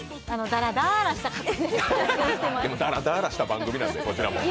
ダラダーラした番組なんでこちらも。